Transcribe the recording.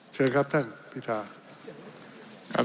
เชิญครับท่านพิทา